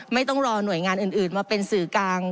ไม่ต้องรอหน่วยงานอื่นมาเป็นสื่อกลาง